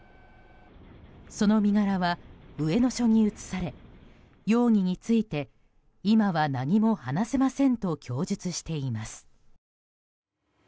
その身柄は、上野署に移され容疑について、今は何も話せませんと供述しています。